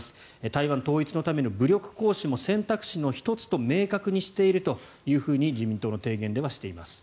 台湾統一のための武力行使も選択肢の１つと明確にしていると自民党の提言ではしています。